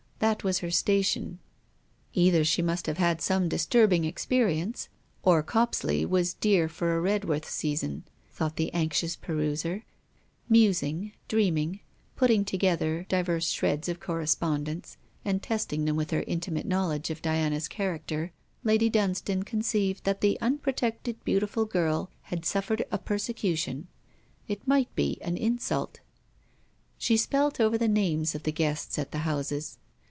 That was her station. Either she must have had some disturbing experience, or Copsley was dear for a Redworth reason, thought the anxious peruser; musing, dreaming, putting together divers shreds of correspondence and testing them with her intimate knowledge of Diana's character, Lady Dunstane conceived that the unprotected beautiful girl had suffered a persecution, it might be an insult. She spelt over the names of the guests at the houses.